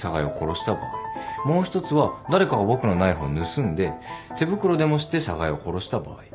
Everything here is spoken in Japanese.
もう一つは誰かが僕のナイフを盗んで手袋でもして寒河江を殺した場合。